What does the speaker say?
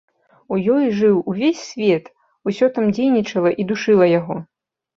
У ёй жыў увесь свет, усё там дзейнічала і душыла яго.